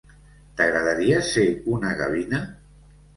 T'agradaria ser una gavina?